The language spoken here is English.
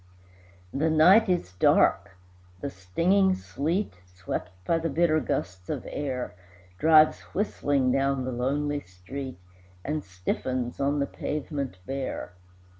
The night is dark, the stinging sleet, Swept by the bitter gusts of air, Drives whistling down the lonely street, And stiffens on the pavement bare.